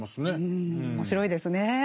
うん面白いですね。